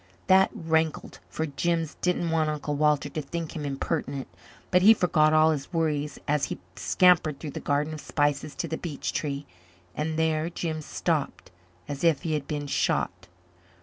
That rankled, for Jims didn't want Uncle Walter to think him impertinent. But he forgot all his worries as he scampered through the Garden of Spices to the beech tree. And there Jims stopped as if he had been shot.